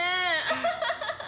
アハハハハ！